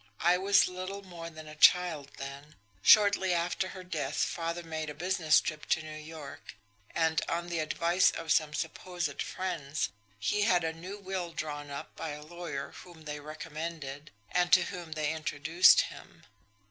I was little more than a child then. Shortly after her death, father made a business trip to New York, and, on the advice of some supposed friends, he had a new will drawn up by a lawyer whom they recommended, and to whom they introduced him.